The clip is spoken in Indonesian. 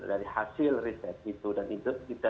dari hasil riset itu dan itu kita